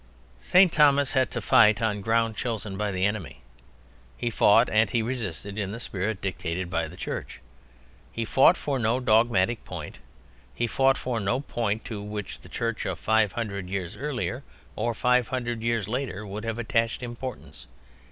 St. Thomas had to fight on ground chosen by the enemy; he fought and he resisted in the spirit dictated by the Church. He fought for no dogmatic point, he fought for no point to which the Church of five hundred years earlier or five hundred years later would have attached importance.